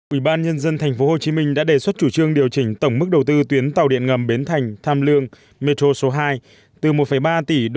ủy ban nhân dân tp hcm đã đề xuất chủ trương điều chỉnh tổng mức đầu tư tuyến tàu điện ngầm bến thành tham lương metro số hai từ một ba tỷ usd lên hai một tỷ usd